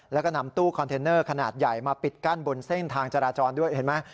แล้วก็นำตู้คอนเทนเนอร์ขนาดใหญ่มาปิดกั้นบนเส้นทางจราจรด้วยเห็นไหม